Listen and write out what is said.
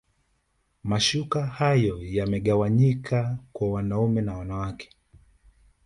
mashuka hayo yamegawanyika kwa wanaume na wanawake